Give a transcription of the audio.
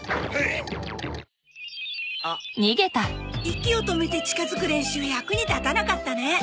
息を止めて近づく練習役に立たなかったね。